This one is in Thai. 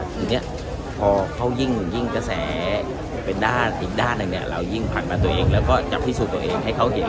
อย่างนี้พอเขายิ่งกระแสเป็นด้านอีกด้านเรายิ่งผ่านมาตัวเองแล้วก็จะพิสูจน์ตัวเองให้เขาเห็น